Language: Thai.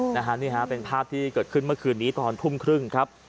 นี่ฮะเป็นภาพที่เกิดขึ้นเมื่อคืนนี้ตอนทุ่มครึ่งครับ